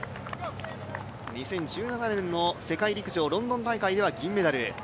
２０１７年の世界陸上ロンドン大会では銀メダル。